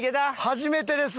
初めてです。